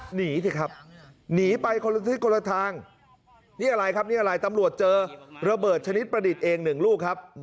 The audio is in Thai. ทำยังไงหนีไปที่คนละทางนี่อะไรตำรวจเจอระเบิดชนิดประดิษฐ์เอง๑ลูกครับ